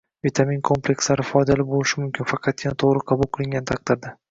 Vitamin komplekslari foydali bo‘lishi mumkin, faqatgina to‘g‘ri qabul qilingan taqdirda